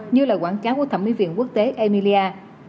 như lời quảng cáo của thẩm mỹ viện quốc tế emilia